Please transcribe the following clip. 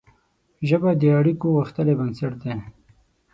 ژبه د اړیکو غښتلی بنسټ دی